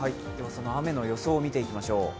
その雨の予想を見ていきましょう。